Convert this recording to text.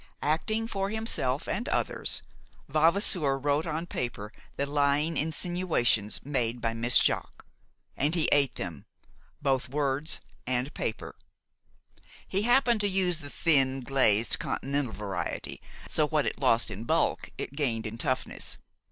Acting for himself and others, Vavasour wrote on paper the lying insinuations made by Miss Jaques, and ate them both words and paper. He happened to use the thin, glazed, Continental variety, so what it lost in bulk it gained in toughness.